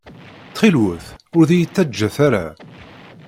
Ttxil-wet ur d-iyi-ttaǧǧat ara.